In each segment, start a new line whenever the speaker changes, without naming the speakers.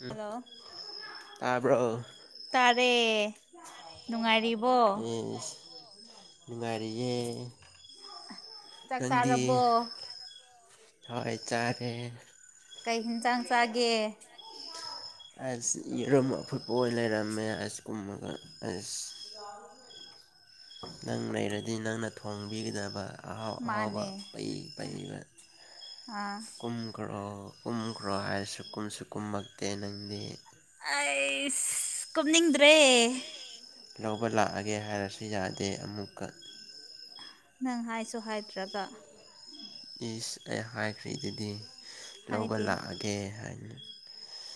ꯎꯝ
hello
ꯇꯥꯕ꯭ꯔꯣ
ꯇꯥꯔꯦ ꯅꯨꯡꯉꯥꯏꯔꯤꯕꯣ
ꯏꯁ ꯅꯨꯡꯉꯥꯏꯔꯤꯌꯦ
ꯆꯥꯛ
ꯅꯪꯗꯤ ꯆꯥꯛ
ꯆꯥꯔꯕꯣ
ꯆꯥꯔꯕꯣ ꯍꯣꯏ ꯑꯩ ꯆꯥꯔꯦ
ꯀꯩ ꯍꯤꯟꯁꯥꯡ ꯆꯥꯒꯦ
ꯑꯁ ꯌꯦꯔꯨꯝ ꯑꯐꯨꯠꯄ ꯑꯣꯏ ꯂꯩꯔꯝꯃꯦ ꯑꯁ [unintelligible]
[unintelligible]
ꯅꯪ ꯂꯩꯔꯗꯤ ꯅꯪꯅ ꯊꯣꯡꯕꯤꯒꯗꯕ ꯑꯍꯥꯎ ꯑꯍꯥꯎꯕ
ꯃꯥꯅꯦ
ꯄꯩ
ꯑꯥ
ꯈ꯭ꯔꯣ ꯀꯨꯝꯈ꯭ꯔꯣ ꯍꯥꯏꯔꯁꯨ ꯀꯨꯝꯁꯨ ꯀꯨꯝꯃꯛꯇꯦ ꯅꯪꯗꯤ
ꯑꯩꯁ ꯀꯨꯝꯅꯤꯡꯗ꯭ꯔꯦ
ꯂꯧꯕ ꯂꯥꯛꯑꯒꯦ ꯍꯥꯏꯔꯁꯨ ꯌꯥꯗꯦ ꯑꯃꯨꯛꯀ
ꯅꯪ ꯍꯥꯏꯁꯨ ꯍꯥꯏꯇ꯭ꯔꯒ
ꯏꯁ ꯑꯩ ꯍꯥꯏꯈ꯭ꯔꯦ ꯗꯨꯗꯤ ꯂꯧꯕ
ꯍꯥꯏꯗꯦ
ꯂꯥꯛꯑꯒꯦ ꯍꯥꯏꯅ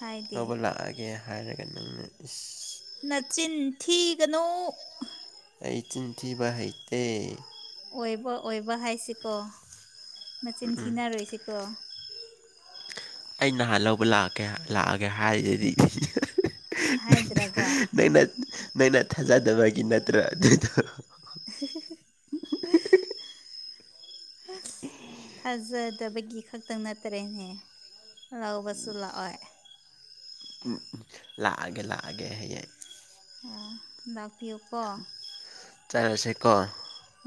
ꯍꯥꯏꯗꯦ
ꯂꯧꯕ ꯂꯥꯛꯑꯒꯦ ꯍꯥꯏꯔꯒ ꯅꯪꯅ ꯏꯁ
ꯅꯆꯤꯟꯊꯤꯒꯅꯨ
ꯑꯩ ꯆꯤꯟꯊꯤꯕ ꯍꯩꯇꯦ
ꯑꯣꯏꯕ ꯑꯣꯏꯕ ꯍꯥꯏꯁꯤꯀꯣ ꯃꯆꯤꯟ ꯊꯤꯅꯔꯣꯏꯁꯤꯀꯣ
ꯑꯩ ꯅꯍꯥꯟ ꯂꯧꯕ ꯂꯥꯛꯑꯀꯦ ꯂꯥꯛꯑꯒꯦ ꯍꯥꯏꯔꯤꯗꯗꯤ
ꯍꯥꯏꯗ꯭ꯔꯒ
ꯅꯪꯅ ꯅꯪꯅ ꯊꯥꯖꯗꯕꯒꯤ ꯅꯠꯇ꯭ꯔꯣ ꯑꯗꯨꯗꯣ
[unintelligible] ꯑꯁ ꯊꯥꯖꯗꯕꯒꯤ ꯈꯛꯇꯪ ꯅꯠꯇꯔꯦꯅꯦ ꯂꯧꯕꯁꯨ ꯂꯥꯛꯑꯣꯏ
ꯎꯝ ꯂꯥꯛꯑꯒꯦ ꯂꯥꯛꯑꯒꯦ ꯍꯌꯦꯡ
ꯂꯥꯛꯄꯤꯌꯣꯀꯣ
ꯆꯠꯂꯁꯦꯀꯣ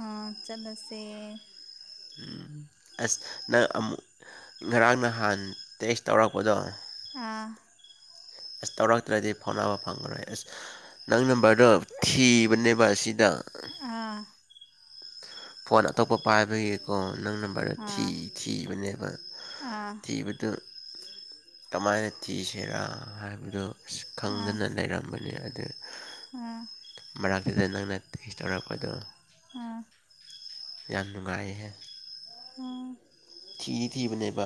ꯑꯥ ꯆꯠꯂꯁꯦ
ꯎꯝ ꯑꯁ ꯅꯪ ꯑꯃꯨꯛ ꯉꯔꯥꯡ ꯅꯍꯥꯟ ꯇꯦꯛꯁ ꯇꯧꯔꯛꯄꯗꯣ
ꯑꯥ
ꯑꯁ ꯇꯧꯔꯛꯇ꯭ꯔꯗꯤ ꯐꯥꯎꯅꯕ ꯐꯪꯉꯔꯣꯏ ꯑꯁ ꯅꯪ ꯅꯝꯕꯔꯗꯣ ꯊꯤꯕꯅꯦꯕ ꯑꯁꯤꯗ
ꯍꯣꯏ
ꯐꯣꯟ ꯑꯇꯣꯞꯄ ꯄꯥꯏꯕꯒꯤꯀꯣ ꯅꯪꯅ ꯈꯔ ꯊꯤ ꯊꯤꯕꯅꯦꯕ ꯊꯤꯕ ꯑꯗꯨ ꯀꯃꯥꯏꯅ ꯊꯤꯁꯤꯔꯥ ꯍꯥꯏꯕꯗꯨ ꯑꯁ ꯈꯪꯗꯅ ꯂꯩꯔꯝꯕꯅꯤ ꯅꯤ ꯑꯗꯨ
ꯎꯝ
ꯃꯔꯛꯇꯅꯦ ꯅꯪꯅ ꯇꯦꯁ ꯇꯧꯔꯛꯄꯗꯣ
ꯎꯝ
ꯌꯥꯝ ꯅꯨꯡꯉꯥꯏꯌꯦꯍꯦ ꯊꯤꯗꯤ ꯊꯤꯕꯅꯦꯕ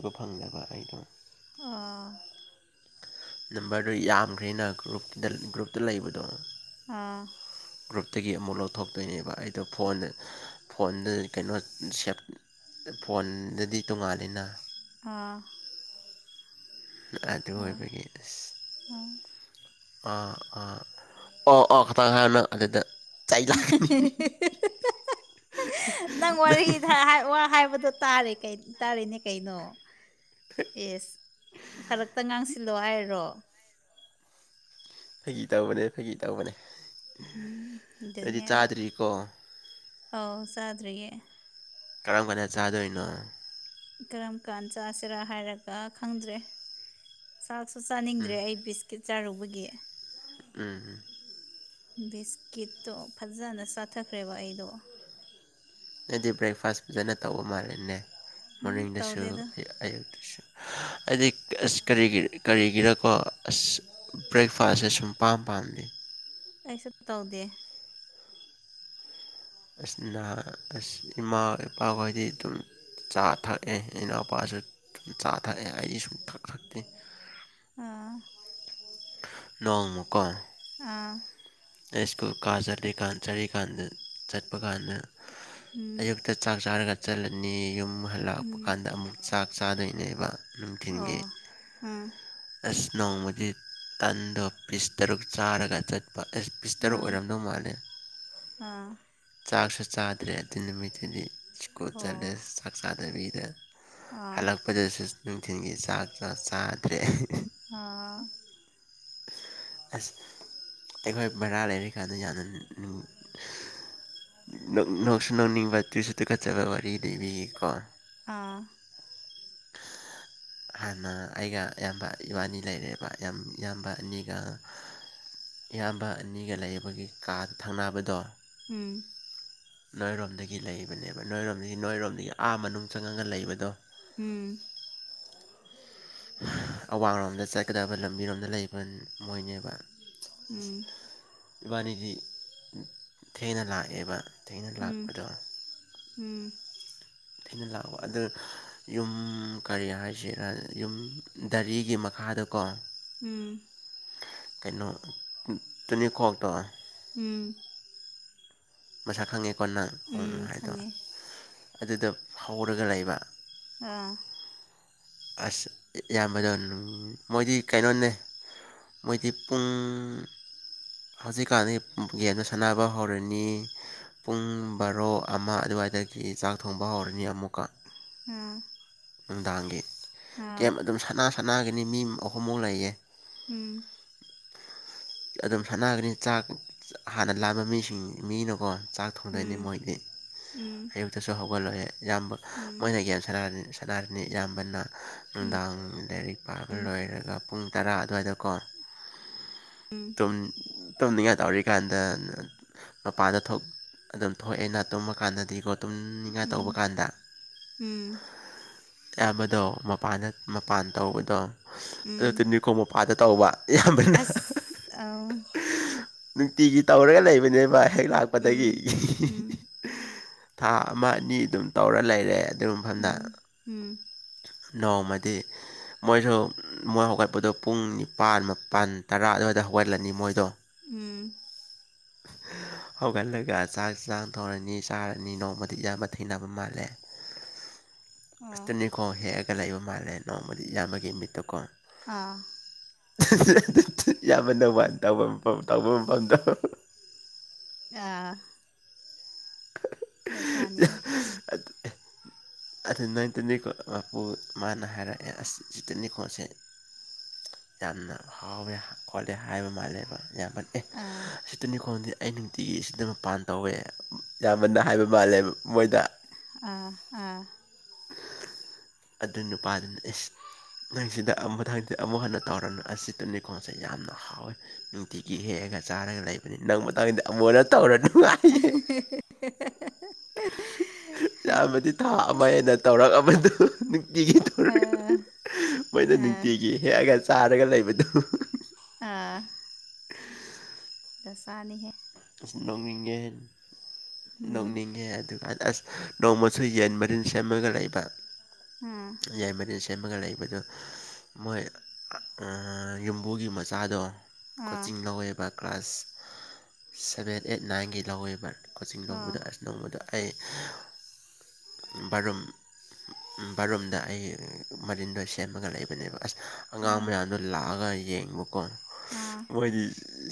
ꯎꯕ ꯐꯪꯗꯕ ꯑꯩꯗꯣ
ꯑꯣ
ꯅꯝꯕꯔꯗꯣ ꯌꯥꯝꯈ꯭ꯔꯦꯅ ꯒ꯭ꯔꯨꯞꯀꯤꯗ ꯒ꯭ꯔꯨꯞꯇ ꯂꯩꯕꯗꯣ
ꯑꯥ
ꯒ꯭ꯔꯨꯞꯇꯒꯤ ꯑꯃꯨꯛ ꯂꯧꯊꯣꯛꯇꯣꯏꯅꯦꯕ ꯑꯩꯗꯣ ꯐꯣꯟꯗ ꯐꯣꯟꯗ ꯀꯩꯅꯣ ꯁꯦꯞ ꯐꯣꯟꯗꯗꯤ ꯇꯣꯡꯉꯥꯜꯂꯤꯅ
ꯑꯥ
ꯑꯗꯨ ꯑꯣꯏꯕꯒꯤ ꯑꯁ ꯑꯥ ꯑꯥ ꯑꯣ ꯑꯣ ꯄꯥꯅ ꯑꯗꯨꯗ ꯆꯩ ꯂꯥꯛꯀꯅꯤ
ꯅꯪ ꯋꯥꯔꯤꯗꯍ ꯋꯥ ꯍꯥꯏꯕꯗꯣ ꯇꯥꯔꯦ ꯀꯩ ꯇꯥꯔꯤꯅꯦ ꯀꯩꯅꯣ ꯏꯁ ꯐꯔꯛꯇ ꯉꯥꯡꯁ ꯁꯤꯜꯂꯣ ꯍꯥꯏꯔꯣ
ꯐꯒꯤ ꯇꯧꯕꯅꯦ ꯐꯒꯤ ꯇꯧꯕꯅꯦ
ꯎꯝ
ꯑꯩꯗꯤ
ꯑꯗꯨꯅꯦꯕ
ꯆꯥꯗ꯭ꯔꯤꯀꯣ
ꯑꯥꯎ ꯆꯥꯗ꯭ꯔꯤꯌꯦ
ꯀꯔꯝ ꯀꯥꯟꯗ ꯆꯥꯗꯣꯏꯅꯣ
ꯀꯔꯝ ꯀꯥꯟ ꯆꯥꯁꯤꯔꯥ ꯍꯥꯏꯔꯒ ꯈꯪꯗ꯭ꯔꯦ ꯆꯥꯛꯁꯨ
ꯎꯝ
ꯆꯥꯅꯤꯡꯗ꯭ꯔꯦ ꯑꯩꯕꯤꯁ ꯀꯤꯠ ꯆꯥꯔꯨꯕꯒꯤ
ꯎꯝ ꯎꯝ
ꯕꯤꯁꯀꯤꯠꯇꯣ ꯐꯖꯅ ꯆꯥꯊꯈ꯭ꯔꯦꯕ ꯑꯩꯗꯣ
ꯅꯣꯅꯗꯤ ꯕ꯭ꯔꯦꯛꯐꯥꯁ ꯐꯖꯅ ꯇꯧꯕ ꯃꯥꯜꯂꯦꯅꯦ
ꯎꯝ
ꯃꯣꯔꯅꯤꯡꯗꯁꯨ
ꯇꯧꯗꯦꯗ
ꯑꯌꯨꯛꯇꯁꯨ ꯍꯥꯏꯗꯤ ꯑꯁ ꯀꯔꯤꯒꯤ ꯀꯔꯤꯒꯤꯔꯀꯣ ꯑꯁ ꯕ꯭ꯔꯦꯛꯐꯥꯁꯁꯦ ꯁꯨꯝꯄꯥꯝ ꯄꯥꯝꯗꯦ
ꯑꯩꯁꯨ ꯇꯧꯗꯦ
ꯑꯁ ꯅ ꯑꯁ ꯏꯃꯥ ꯏꯄꯥꯈꯣꯏꯗꯤ ꯑꯗꯨꯝ ꯆꯥ ꯊꯛꯑꯦ ꯏꯅꯥꯎꯄꯥꯁꯨ ꯆꯥ ꯊꯛꯑꯦ ꯑꯩ ꯁꯨꯡꯊꯛ ꯊꯛꯇꯦ
ꯑꯥ
ꯅꯣꯡꯃꯀꯣ
ꯑꯥ
ꯑꯩ ꯁ꯭ꯀꯨꯜ ꯀꯥ ꯆꯠꯂꯤꯀꯥꯟ ꯆꯠꯔꯤꯀꯥꯟꯗ ꯆꯠꯄ ꯀꯥꯟꯗ
ꯎꯝ
ꯑꯌꯨꯛꯇ ꯆꯥꯛ ꯆꯥꯔꯒ ꯆꯠꯂꯅꯤ ꯌꯨꯝ ꯍꯜꯂꯛꯄ
ꯎꯝ
ꯀꯥꯟꯗ ꯑꯃꯨꯛ ꯆꯥꯛ ꯆꯥꯗꯣꯏꯅꯦꯕ ꯅꯨꯡꯊꯤꯟꯒꯤ
ꯑꯣ ꯎꯝ
ꯑꯁ ꯅꯣꯡꯃꯗꯤ ꯇꯟꯗꯣ ꯄꯤꯁ ꯇꯔꯨꯛ ꯆꯥꯔꯒ ꯆꯠ ꯄ ꯑꯁ ꯄꯤꯁꯇꯔ
ꯑꯥ
ꯑꯣꯏꯔꯝꯗꯧ ꯃꯥꯜꯂꯦ
ꯑꯥ
ꯆꯥꯛꯁꯨ ꯆꯥꯗ꯭ꯔꯦ ꯑꯗꯨ ꯅꯨꯃꯤꯠꯇꯨꯗꯤ ꯁ꯭ꯀꯨꯜ ꯆꯠꯂꯦ
ꯑꯣ
ꯆꯥꯛ ꯆꯥꯗꯕꯤꯗ
ꯑꯥ
ꯍꯜꯂꯛꯄꯗꯁꯨ ꯅꯨꯡꯊꯤꯜꯒꯤ ꯆꯥꯛ ꯆꯥ ꯆꯥꯗ꯭ꯔꯦ
ꯑꯥ
ꯑꯁ ꯑꯩꯈꯣꯏ ꯕꯥꯔꯥ ꯂꯩꯔꯤꯀꯥꯟꯗ ꯌꯥꯝꯅ ꯅꯨ ꯅꯣꯛꯁꯨ ꯅꯣꯛꯅꯤꯡꯕ ꯇꯨꯁꯨ ꯇꯨꯀꯠꯆꯕ ꯋꯥꯔꯤ ꯂꯤꯕꯤꯒꯦ ꯀꯣ
ꯑꯥ
ꯍꯥꯟꯅ ꯑꯩꯒ ꯏꯌꯥꯝꯕ ꯏꯕꯥꯅꯤ ꯂꯩꯔꯦꯕ ꯏꯌꯥꯝ ꯏꯌꯥꯝꯕ ꯑꯅꯤꯒ ꯏꯌꯥꯝꯕ ꯑꯅꯤꯒ ꯂꯩꯕꯒꯤ ꯀꯥ ꯊꯪꯅꯕꯗꯣ
ꯎꯝ
ꯅꯣꯏꯔꯣꯝꯗꯒꯤ ꯂꯩꯕꯅꯦꯕ ꯅꯣꯏꯔꯣꯝꯗꯒꯤ ꯅꯣꯏꯔꯣꯝꯗꯒꯤ ꯑꯥ ꯃꯅꯨꯡ ꯆꯪꯉꯒ ꯂꯩꯕꯗꯣ
ꯎꯝ
ꯑꯋꯥꯡꯂꯣꯝꯗ ꯆꯠꯀꯗꯕ ꯂꯝꯕꯤꯔꯣꯝꯗ ꯂꯩꯕ ꯃꯣꯏꯅꯦꯕ
ꯎꯝ
ꯏꯕꯥꯅꯤꯗꯤ ꯊꯦꯡꯅ ꯂꯥꯛꯑꯦꯕ ꯊꯦꯡꯅ
ꯎꯝ
ꯂꯥꯛꯄꯗꯣ
ꯎꯝ
ꯑꯩꯅ ꯂꯥꯛꯑꯣ ꯑꯗ ꯌꯨꯝ ꯀꯔꯤ ꯍꯥꯏꯁꯦ ꯌꯨꯝ ꯔꯤꯒꯤ ꯐꯥꯗꯀꯣ
ꯎꯝ
ꯀꯩꯅꯣ ꯇꯨꯅꯤꯈꯣꯛꯇꯣ
ꯎꯝ
ꯃꯁꯛ ꯈꯪꯉꯦꯀꯣ ꯅꯪ ꯎꯡ
ꯎꯝ
ꯍꯥꯏꯗꯣ
ꯈꯪꯉꯦ
ꯑꯗꯨꯗꯣ ꯍꯧꯔꯒ ꯂꯩꯕ
ꯑꯥ
ꯑꯁ ꯏꯌꯥꯝꯕꯗꯣ ꯃꯣꯏꯗꯤ ꯀꯩꯅꯣꯅꯦ ꯃꯣꯏꯗꯤ ꯄꯨꯡ ꯍꯧꯖꯤꯛꯀꯥꯟꯗꯤ ꯒꯦꯝꯗ ꯁꯥꯟꯅꯕ ꯍꯧꯔꯅꯤ ꯄꯨꯡ ꯕꯥꯔꯣ ꯑꯃ ꯑꯗꯨꯋꯥꯏꯗꯒꯤ ꯆꯥꯛ ꯊꯣꯡꯕ ꯍꯧꯔꯅꯤ ꯑꯃꯨꯛꯀ
ꯎꯝ
ꯅꯨꯡꯗꯥꯡꯒꯤ ꯀꯦꯝ ꯑꯗꯨꯝ ꯁꯅꯥ ꯁꯥꯟꯅꯒꯅꯤ ꯃꯤ ꯑꯍꯨꯝꯃꯨꯛ ꯂꯩꯌꯦ
ꯎꯝ
ꯑꯗꯨꯝ ꯁꯥꯟꯅꯒꯅꯤ ꯆꯥꯛ ꯍꯥꯟꯅ ꯂꯝꯕ ꯃꯤꯁꯤꯡ ꯃꯤꯅꯀꯣ ꯆꯥꯛ ꯊꯣꯡꯗꯣꯏꯅꯤ
ꯎꯝ
ꯃꯣꯏꯗꯤ
ꯎꯝ
ꯑꯌꯨꯛꯇꯁꯨ ꯍꯧꯒꯠꯂꯣꯏꯌꯦ ꯏꯌꯥꯝꯕ
ꯎꯝ
ꯃꯣꯏꯅ ꯒꯦꯝ ꯁꯥꯟꯅꯔꯅꯤ ꯁꯅꯥꯔꯅꯤ ꯏꯌꯥꯝꯕꯅ ꯅꯨꯡꯗꯥꯡ ꯂꯥꯏꯔꯤꯛ ꯄꯥꯕ ꯂꯣꯏꯔꯒ ꯄꯨꯡ ꯇꯔꯥ ꯑꯗꯨꯋꯥꯏꯗꯀꯣ
ꯎꯝ
ꯇꯨꯝꯅꯤꯡꯉꯥꯏ ꯇꯧꯔꯤꯀꯥꯟꯗ ꯃꯄꯥꯟꯗ ꯊꯣꯛ ꯑꯗꯨꯝ ꯊꯣꯛꯑꯦꯅ ꯇꯨꯝꯃ ꯀꯥꯟꯗꯗꯤꯀꯣ ꯇꯨꯝꯅꯤꯡꯉꯥꯏ ꯇꯧꯕ
ꯎꯝ
ꯀꯥꯟꯗ
ꯎꯝ
ꯑꯌꯥꯝꯕꯗꯣ ꯃꯄꯥꯟꯗ ꯃꯄꯥꯟ ꯇꯧꯕꯗꯣ ꯑꯗꯨ
ꯎꯝ
ꯇꯤꯅꯤꯈꯣꯡ ꯃꯄꯥꯟꯗ ꯇꯧꯕ ꯏꯌꯥꯝꯕꯅ
ꯑ
ꯅꯨꯡꯇꯤꯒꯤ ꯇꯧꯔꯒ ꯂꯩꯕꯅꯦꯕ ꯍꯦꯛ ꯂꯥꯛꯄꯗꯒꯤ
ꯎꯝ ꯎꯝ
[unintelligible] ꯊꯥ ꯑꯃ ꯑꯅꯤ ꯑꯗꯨꯝ ꯇꯧꯔ ꯂꯩꯔꯦ ꯑꯗꯨ ꯃꯐꯝꯗ
ꯎꯝ ꯎꯝ
ꯅꯣꯡꯃꯗꯤ ꯃꯣꯏꯁꯨ ꯃꯣꯏ ꯍꯧꯒꯠꯄꯗꯣ ꯄꯨꯡ ꯅꯤꯄꯥꯜ ꯃꯥꯄꯜ ꯇꯔꯥ ꯑꯗꯨꯋꯥꯏꯗ ꯍꯧꯒꯠꯂꯅꯤ ꯃꯣꯏꯗꯣ
ꯎꯝ
ꯍꯧꯒꯠꯂꯒ ꯆꯥꯛ ꯆꯥꯛ ꯊꯣꯡꯔꯅꯤ ꯆꯥꯔꯅꯤ ꯅꯣꯡꯃꯗꯤ ꯏꯌꯥꯝꯕ ꯊꯩꯅꯕ ꯃꯥꯜꯂꯦ
ꯑꯣ
ꯑꯁꯇꯅꯤꯀꯣ ꯍꯦꯛꯑꯒ ꯂꯩꯕ ꯃꯥꯜꯂꯦ ꯅꯣꯡꯃꯗꯤ ꯏꯌꯥꯝꯕꯒꯤ ꯃꯤꯠꯇꯨ ꯀꯣ
ꯑꯥ
[unintelligible] ꯏꯌꯥꯝꯕ ꯅꯝꯕꯔ ꯋꯥꯟ ꯇꯧꯕ ꯃꯐꯝ ꯇꯧꯕ ꯃꯐꯝꯗꯨ
ꯑ ꯂꯩꯁꯅꯤ ꯍ
ꯑꯗꯨ ꯅꯪ ꯇꯨꯅꯤꯈꯣꯛ ꯃꯄꯨ ꯃꯥꯅ ꯍꯥꯏꯔꯛꯑꯦ ꯑꯁ ꯁꯤꯇꯅꯤꯀꯣ ꯄꯣꯠꯁꯦ ꯌꯥꯝꯅ ꯍꯥꯎꯋꯦ ꯈꯣꯠꯂꯦ ꯍꯥꯏꯕ ꯃꯥꯜꯂꯦꯕ ꯏꯌꯥꯝꯕꯅ
ꯑꯥ
ꯇꯤꯅꯤꯈꯣꯛꯗꯤ ꯑꯩ ꯅꯨꯡꯇꯤꯒꯤ ꯑꯁꯤꯗ ꯃꯄꯥꯟ ꯇꯧꯋꯦ ꯏꯌꯥꯝꯕꯅ ꯍꯥꯏꯕ ꯃꯥꯜꯂꯦ ꯃꯣꯏꯗ
ꯑꯥ ꯑꯥ
ꯑꯗꯨ ꯅꯨꯄꯥꯗꯨꯅ ꯑꯦꯁ ꯅꯪꯁꯤꯗ ꯑꯃꯨꯊꯪ ꯗꯤ ꯑꯃꯨꯛ ꯍꯟꯅ ꯇꯧꯔꯅꯨ ꯑꯁꯤ ꯇꯨꯅꯤꯈꯣꯛꯁꯦ ꯌꯥꯝꯅ ꯍꯥꯎꯋꯦ ꯅꯨꯡꯇꯤꯒꯤ ꯍꯦꯛꯑꯒ ꯆꯥꯔꯒ ꯂꯩꯕꯅꯤ ꯅꯪ ꯃꯇꯥꯡꯁꯤꯗꯤ ꯑꯃꯨꯛ ꯍꯟꯅ ꯇꯧꯔꯅꯤ
[unintelligible]
ꯏꯌꯥꯝꯕꯗꯤ ꯊꯥ ꯑꯃ ꯍꯦꯟꯅ ꯇꯧꯔꯛꯑꯕꯗꯨ ꯅꯨꯡꯇꯤꯒꯤ ꯇꯧꯔꯒ
ꯑꯥ
ꯂꯩ ꯃꯣꯏꯅ
ꯑꯥ
ꯅꯨꯡꯇꯤꯒꯤ ꯍꯦꯛꯑꯒ ꯆꯥꯔꯒ ꯂꯩꯕꯗꯨꯣ
ꯑꯥ ꯗꯁꯥꯅꯤꯍꯦ
ꯑꯁ ꯅꯣꯛꯅꯤꯡꯉꯦ
ꯎꯝ
ꯅꯣꯛꯅꯤꯡꯉꯦ ꯑꯗꯨꯒ ꯑꯁ ꯅꯣꯡꯃꯁꯨ ꯌꯦꯟ ꯃꯔꯤꯟ ꯁꯦꯝꯃꯒ ꯂꯩꯕ
ꯎꯝ
ꯌꯥꯏꯃꯔꯤꯜ ꯁꯦꯝꯃꯒ ꯂꯩꯕꯗꯨ ꯃꯣꯏ ꯎꯝ ꯌꯨꯝꯕꯨꯒꯤ ꯃꯆꯥꯗꯣ
ꯑꯥ
ꯀꯣꯆꯤꯡ ꯂꯧꯋꯦꯕ ꯀ꯭ꯂꯥꯁ ꯁꯚꯦꯟ ꯑꯩꯠ ꯅꯥꯏꯟꯒꯤ ꯂꯧꯋꯦꯕ ꯀꯣꯆꯤꯡ
ꯑꯥ
ꯂꯧꯕꯗ ꯑꯁ ꯅꯣꯡꯃꯗ ꯑꯩ ꯔꯨꯝ ꯎꯝ ꯕꯥꯠꯔꯨꯝꯗ ꯑꯩ ꯃꯔꯤꯟꯗꯣ ꯁꯦꯝꯃꯒ ꯂꯩꯕꯅꯦꯕ ꯑꯁ ꯑꯉꯥꯡ ꯃꯌꯥꯝꯗꯣ ꯂꯥꯛꯑꯒ ꯌꯦꯡꯕꯀꯣ
ꯑꯥ
ꯃꯣꯏꯗꯤ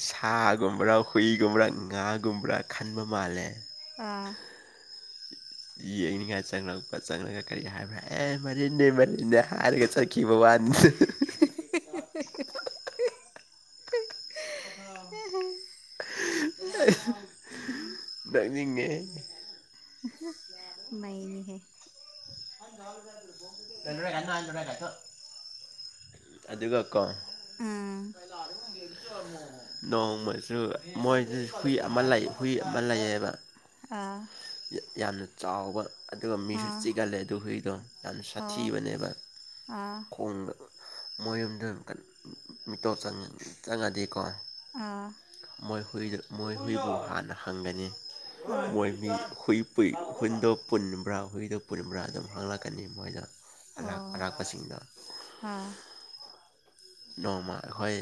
ꯁꯥꯒꯨꯝꯕꯔ ꯍꯨꯏꯒꯨꯝꯕ꯭ꯔꯥ ꯉꯥꯒꯨꯝꯕ꯭ꯔꯥ ꯈꯟꯕ ꯃꯥꯜꯂꯦ
ꯑꯥ
ꯌꯦꯡꯅꯤꯡꯉꯥꯏ ꯆꯪꯂꯛꯄ ꯆꯪꯂꯛꯒ ꯀꯔꯤ ꯍꯥꯏꯕ ꯑꯦ ꯃꯅꯦ ꯃꯔꯟꯗꯦ ꯍꯥꯏꯔꯒ ꯆ ꯀꯤꯕ ꯋꯥꯅꯤꯗ ꯗꯔꯖꯅꯤꯡꯉꯦ
ꯥꯏꯅꯤꯍꯦ
[unintelligible] [unintelligible] ꯑꯗꯨꯒꯀꯣ
ꯎꯝ
[unintelligible] ꯅꯣꯡꯃꯁꯨ ꯃꯣꯏꯗ ꯍꯨꯏ ꯑꯃ ꯂꯩ ꯍꯨꯏ ꯑꯃ ꯂꯩꯌꯦꯕ
ꯑꯥ
ꯌꯥꯝꯅ ꯆꯥꯎꯕ ꯑꯗꯨꯒ ꯃꯤꯁꯨ
ꯑꯥ
ꯆꯤꯛꯒꯜꯂꯦ ꯨꯍꯩꯗꯣ ꯌꯥꯝꯅ
ꯑꯣ
ꯁꯥꯊꯤꯕꯅꯦꯕ
ꯑꯥ
ꯈꯣꯡ ꯃꯣꯏ ꯌꯨꯝꯗ ꯀ ꯃꯤꯇꯣꯞ ꯆꯪ ꯆꯪ ꯌꯥꯗꯦꯀꯣ
ꯑꯥ
ꯃꯣꯏ ꯍꯨꯏꯗꯨ ꯃꯣꯏ ꯍꯨꯏꯗꯨ ꯍꯥꯟꯅ ꯍꯪꯒꯅꯤ
ꯑꯥ
ꯃꯣꯏ ꯍꯨꯏ ꯍꯨꯏ ꯏ ꯍꯨꯟꯗꯣ ꯄꯨꯟꯕ꯭ꯔꯥ ꯍꯨꯏꯗꯣ ꯄꯨꯟꯕ꯭ꯔꯥ ꯑꯗꯨꯝ ꯍꯥꯡꯪꯂꯛꯀꯅꯤ ꯃꯣꯏꯅ ꯁꯂꯥꯛ
ꯑꯣ
ꯃꯅꯥ ꯃꯁꯤꯡꯗꯨ
ꯑꯥ
ꯅꯣꯡꯃ ꯑꯩꯈꯣꯏ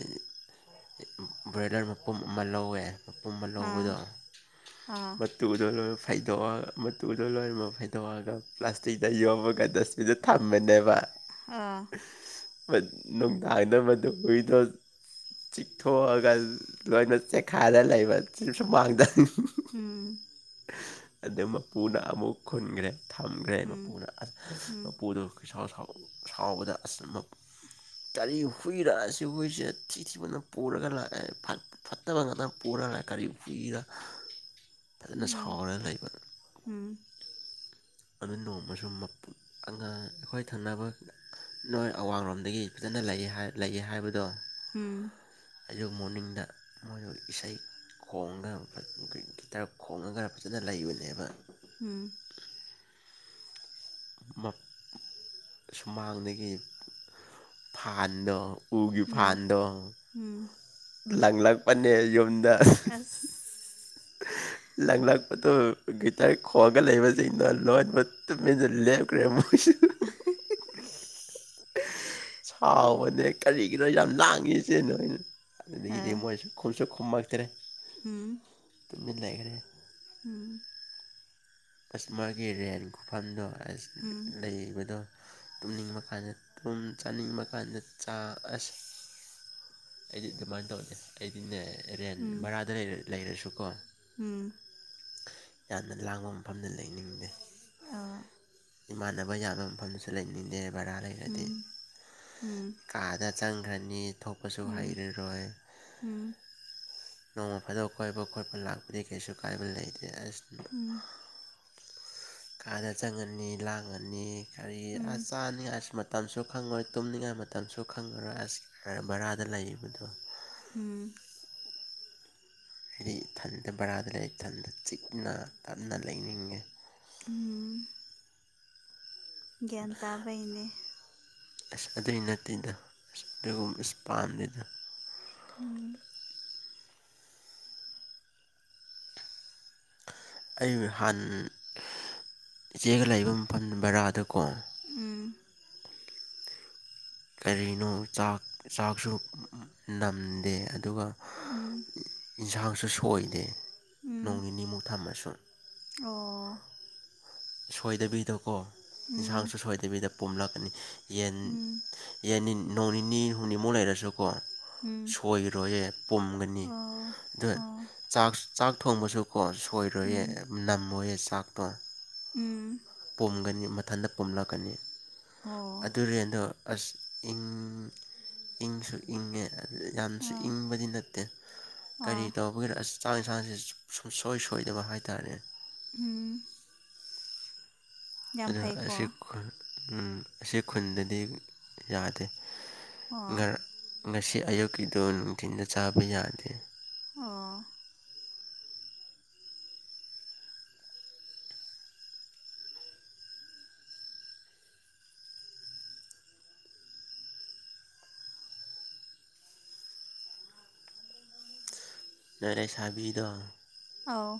ꯕ꯭ꯔꯣꯏꯂꯔ ꯃꯄꯨꯝ ꯑꯃ ꯂꯧꯋꯦ ꯃꯄꯨꯝꯕ ꯂꯧꯕꯗꯣ
ꯑꯥ ꯑꯥ
ꯕꯠ ꯃꯇꯨꯗꯣ ꯂꯣꯏꯅꯃꯛ ꯐꯩꯗꯣꯛꯑꯒ ꯃꯇꯨꯗꯣ ꯂꯣꯏꯅꯃꯛ ꯐꯩꯗꯣꯛꯑꯒ ꯄ꯭ꯂꯥꯁꯇꯤꯛꯇ ꯌꯣꯞꯄꯒꯗ ꯗꯨꯗ ꯊꯝꯃꯅꯦꯕ
ꯑꯥ
[unintelligible] ꯆꯤꯊꯣꯛꯑꯒ ꯂꯣꯏꯅ ꯆꯦꯛꯈꯥꯗ ꯂꯩꯕ ꯆꯁꯨ ꯃꯥꯡꯗꯅꯤ
ꯎꯝ
ꯑꯗꯨ ꯃꯄꯨꯅ ꯑꯃꯨꯛ ꯈꯨꯟꯒ꯭ꯔꯦ ꯊꯝꯈ꯭ꯔꯦ
ꯎꯝ
ꯃꯄꯨꯅ
ꯎꯝ
ꯃꯄꯨꯗꯨꯣꯥꯎ ꯁꯥꯎꯕꯗ ꯀꯒꯥꯔꯤ ꯍꯨꯏꯔꯛꯑꯁꯤ ꯍꯨꯏꯁꯦ ꯊꯤ ꯊꯤꯕꯅ ꯄꯨꯔꯒ ꯂꯥꯛꯑꯦ ꯐꯠꯇꯕ ꯉꯥꯛꯇ ꯄꯨꯔꯒ ꯀꯔꯤ ꯈꯨꯏꯔ ꯐꯖꯅ
ꯎꯝ
ꯁꯥꯎꯔꯒ ꯂꯩꯕ
ꯎꯝ
ꯑꯗꯨ ꯅꯣꯡꯃꯁꯨ ꯃꯄꯨ ꯑꯉꯥꯡ ꯑꯩꯈꯣꯏ ꯊꯪꯅꯕ ꯅꯣꯏ ꯑꯋꯥꯡꯡꯂꯣꯝꯗꯒꯤ ꯐꯖꯅ ꯂꯩꯑꯦ ꯂꯩꯑꯦ ꯍꯥꯏꯕꯗꯣ
ꯎꯝ
ꯑꯩꯁꯨ ꯃꯣꯔꯅꯤꯡꯗ ꯃꯣꯏꯁꯨ ꯏꯁꯩ ꯈꯣꯡꯒ ꯒꯤ ꯒꯤꯇꯔ ꯈꯣꯡꯉꯒ ꯐꯖꯅ ꯂꯩꯕꯅꯦꯕ
ꯎꯝ
ꯑꯝ ꯁꯨꯃꯥꯡꯗꯒꯤ ꯐꯥꯟꯗꯣ ꯎꯒꯤ
ꯎꯝ
ꯐꯥꯟꯗꯣ
ꯎꯝ
ꯂꯪꯂꯛꯄꯅꯦ ꯌꯨꯝꯗ
[unintelligible]
ꯂꯥꯡꯂꯛꯄꯗꯨꯣ ꯒꯤꯇꯥꯔ ꯈꯣꯡꯑꯒ ꯂꯩꯕꯁꯤꯡꯅ ꯂꯣꯟꯕ ꯇꯨꯃꯤꯟꯅ ꯂꯦꯞꯈ꯭ꯔꯦ ꯃꯣꯏꯁꯨ
[unintelligible]
ꯍꯥꯎꯟꯅ ꯀꯔꯤ ꯀꯩꯒꯤꯅꯣ ꯌꯥꯝ ꯂꯥꯡꯉꯁꯦ ꯅꯣꯏ
ꯑ
ꯑꯗꯨꯗꯒꯤꯗꯤ ꯃꯣꯏꯁꯨ ꯈꯨꯝꯁꯨ ꯈꯨꯝꯃꯛꯇ꯭ꯔꯦ
ꯎꯝ
ꯑꯗꯨꯃꯤ ꯂꯩꯈꯔꯦ
ꯎꯝ
ꯑꯁꯃꯒꯤ ꯔꯦꯟ ꯈꯨꯐꯝꯗꯣ ꯑ
ꯎꯝ
ꯂꯩꯕꯗꯣ ꯇꯨꯝꯅꯤꯡꯕ ꯀꯥꯟꯗꯨꯝ ꯆꯥꯅꯤꯡꯕ ꯀꯥꯟꯗ ꯆꯥꯛ ꯑꯩꯗꯤ ꯑꯗꯨꯃꯥꯏꯅ ꯇꯧꯅꯦ ꯑꯩꯗꯤꯅꯦ ꯔꯦꯟ
ꯎꯝ
ꯕꯔꯥꯗ ꯂꯩꯔꯁꯨꯀꯣ
ꯎꯝ
ꯌꯥꯝꯅ ꯂꯥꯡꯕ ꯃꯐꯝꯗ ꯂꯩꯅꯤꯡꯗꯦ
ꯑꯥ
ꯏꯃꯥꯟꯅꯕ ꯌꯥꯝꯕ ꯃꯐꯝꯁꯨ ꯂꯩꯅꯤꯡꯗꯦ ꯕꯔꯥ ꯂꯩꯔꯗꯤ
ꯎꯝ ꯎꯝ
ꯀꯥꯗ ꯆꯪꯈ꯭ꯔꯅꯤ ꯊꯣꯛꯄꯁꯨ
ꯎꯝ
ꯍꯩꯔꯔꯣꯏ
ꯎꯝ
ꯅꯣꯡꯃ ꯐꯥꯗꯣꯛꯕ ꯀꯣꯏꯕ ꯈꯣꯠꯄ ꯂꯥꯛꯄꯗꯤ ꯀꯩꯁꯨ ꯀꯥꯏꯕ ꯂꯩꯇꯦ ꯑꯁ
ꯎꯝ
ꯀꯥꯗ ꯆꯪꯉꯅꯤ ꯂꯥꯡꯉꯅꯤ ꯀꯔꯤ
ꯎꯝ
ꯑꯁ ꯆꯥꯅꯤꯡꯉꯤꯏꯁꯨ ꯃꯠ ꯇꯝꯁꯨ ꯈꯪꯉꯔꯣꯏ ꯇꯨꯝꯅꯤꯡꯉꯥꯏ ꯃꯇꯝꯁꯨ ꯈꯪꯉꯔꯣꯏ ꯑꯁ ꯕꯔꯥꯗ ꯂꯩꯔꯤꯕꯗꯣ
ꯎꯝ
ꯍꯥꯏꯗꯤ ꯏ ꯊꯟꯗ ꯕꯔꯥꯗ ꯂꯩ ꯏꯊꯟꯗ ꯆꯤꯛꯅ ꯇꯞꯅ ꯂꯩꯅꯤꯡꯉꯦ
ꯎꯝ ꯒ꯭ꯌꯥꯟ ꯇꯥꯕꯩꯅꯦ
ꯑꯁ ꯑꯗꯨꯏ ꯅꯠꯇꯦꯗ ꯑꯁ ꯑꯗꯨꯒꯨꯝꯕ ꯑꯁ ꯄꯥꯝꯗꯗ
ꯎꯝ
ꯑꯩ ꯍꯥꯟ ꯏꯆꯦꯒ ꯂꯩꯕ ꯃꯐꯝ ꯕꯔꯥꯗ ꯀꯣ
ꯎꯝ
ꯀꯔꯤꯅꯣ ꯆꯥꯛ ꯆꯥꯛꯁꯨ ꯅꯝꯗꯦ ꯑꯗꯨꯒ
ꯎꯝ
ꯏꯟꯁꯥꯡꯁꯨ ꯁꯣꯏꯗꯦ ꯅꯣꯡ
ꯎꯝ
ꯅꯤꯅꯤꯃꯨꯛ ꯊꯝꯃꯁꯨ
ꯑꯣ
ꯁꯣꯏꯗꯕꯤꯗꯀꯣ
ꯎꯝ
ꯌꯦꯟꯁꯥꯡꯁꯨ ꯁꯣꯏꯗꯕꯤꯗ ꯄꯨꯝꯝꯂꯛꯀꯅꯤ ꯌꯦꯟ
ꯎꯝ
ꯌꯦꯅꯤꯟ ꯅꯣꯡꯅꯤ ꯍꯨꯡꯅꯤ ꯃꯣ ꯂꯩꯥꯏꯔꯁꯨꯀꯣ
ꯎꯝ
ꯁꯣꯏꯔꯣꯏꯌꯦ ꯄꯨꯝꯒꯅꯤ
ꯑꯣ
ꯑꯗꯨ
ꯑꯣ
ꯆꯥꯛ ꯆꯥꯛ ꯊꯣꯡꯕꯁꯨ ꯍꯣ ꯁꯣꯏꯔꯣꯏꯌꯦ
ꯎꯝ
ꯅꯝꯃꯣꯏꯌꯦ ꯆꯥꯛꯇꯣ
ꯎꯝ
ꯄꯝꯒꯅꯤ ꯃꯊꯟꯇ ꯄꯣꯨꯝꯂꯛꯀꯅꯤ
ꯑꯣ
ꯑꯗꯨꯔꯦꯟꯗꯣ ꯑꯁ ꯏꯪ ꯏꯪꯁꯨ ꯏꯪꯉꯦ ꯌꯥꯝꯁꯨ
ꯑꯥ
ꯏꯪꯕꯁꯨ ꯅꯠꯇꯦ ꯀꯔꯤ
ꯑꯥ
ꯇꯧ ꯃꯣꯏꯒꯤ ꯆꯥꯛ ꯏꯟꯁꯥꯡꯁꯤꯦ ꯁꯨꯡꯁꯣꯏ ꯁꯣꯏꯗꯕ ꯍꯥꯏꯇꯥꯔꯦꯅꯦ
ꯍꯝ
ꯑꯗꯨ
ꯐꯩꯀꯣ
ꯑꯁꯤ ꯈꯨꯟ ꯑꯝ ꯑꯁꯤ ꯈꯨꯟꯗꯗꯤ ꯌꯥꯗꯦ
ꯑꯣ
ꯉꯥ ꯉꯁꯤ ꯑꯌꯨꯛꯀꯤꯗꯣ ꯅꯨꯡꯊꯤꯟꯗ ꯆꯥꯕ ꯌꯥꯗꯦ
ꯑꯣ
ꯅꯑꯦ ꯁꯥꯕꯤꯗꯣ
ꯑꯥꯎ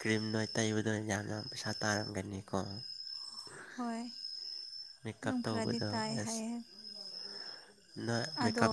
ꯀ꯭ꯔꯤꯝꯗꯣ ꯇꯩꯕꯗꯣ ꯌꯥꯝꯅ ꯄꯩꯁꯥ ꯇꯥꯡꯉꯝꯒꯅꯤꯀꯣ
ꯍꯣꯏ ꯑꯗꯨꯝ ꯈꯔꯗꯤ
ꯇꯧꯕꯗꯣ
ꯇꯥꯏ
ꯑꯁ
ꯍꯥꯏꯌꯦ
ꯅꯣꯏ ꯃꯦꯀꯥꯞ
ꯑꯗꯣ